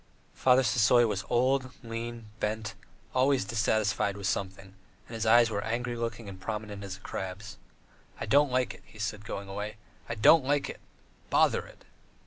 Father Sisoy was old, lean, bent, always dissatisfied with something, and his eyes were angry looking and prominent as a crab's. "I don't like it," he said, going away. "I don't like it. Bother it!"